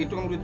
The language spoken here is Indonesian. itu itu itu